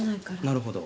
なるほど。